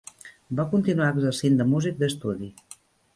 Va continuar exercint de músic d'estudi.